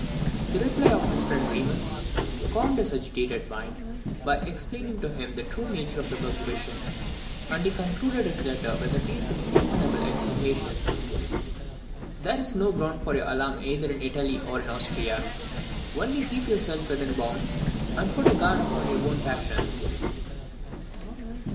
The reply of his friend Remus calmed his agitated mind, by explaining to him the true nature of the prohibition; and he concluded his letter with a piece of seasonable exhortation, "There is no ground for your alarm either in Italy or in Austria, only keep yourself within bounds, and put a guard upon your own passions."